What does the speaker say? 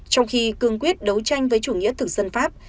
trong khi cương quyết đấu tranh với chủ nghĩa thực dân pháp